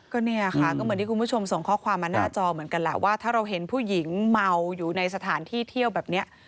ก็เนี่ยค่ะก็เหมือนที่คุณผู้ชมส่งข้อความมาหน้าจอเหมือนกันแหละว่าถ้าเราเห็นผู้หญิงเมาอยู่ในสถานที่เที่ยวแบบนี้